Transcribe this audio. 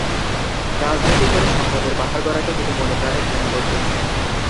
রাজনীতি করে সম্পদের পাহাড় গড়াকে তিনি মনে প্রাণে ঘৃণা করতেন।